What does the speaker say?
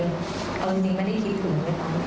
เออจริงไม่ได้คิดถึง